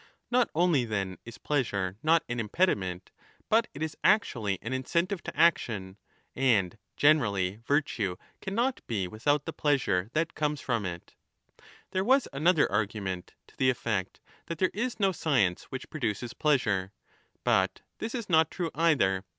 Not only, then, is plea sure not an impediment, but it is actually an incentive to action, and ^neral|y virtue cannot be without the pleasure that comes from it J 35 There was another argument,^ to the effect that there is no science which produces pleasure. But this is not true either.